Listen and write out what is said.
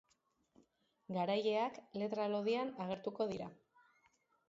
Garaileak letra lodian agertuko dira.